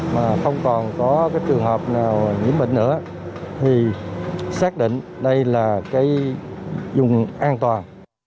mà không còn có trường hợp nào nhiễm bệnh nữa thì xác định đây là vùng an toàn